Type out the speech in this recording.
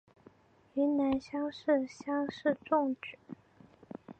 云南乡试乡试中举。